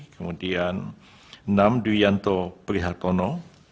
kemudian nam dwianto prihatono